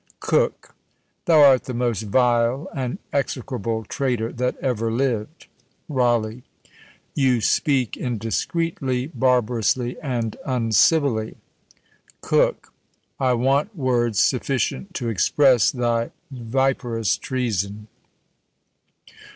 COKE. Thou art the most vile and execrable traytor that ever lived. RAWLEIGH. You speak indiscreetly, barbarously, and uncivilly. COKE. I want words sufficient to express thy viperous treason.